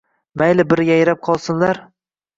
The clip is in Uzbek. Mayli bir yayrab qolsinlar.